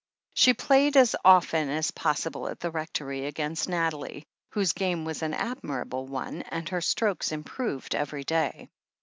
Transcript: She played as often as possible at th^ Rectory against Nathalie, whose game was an admirable one, and her strokes improved every day.